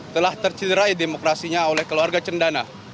telah tercederai demokrasinya oleh keluarga cendana